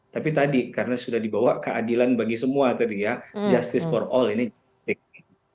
tapi tadi karena sudah dibawa keadilan bagi semua tadi ya justice for all ini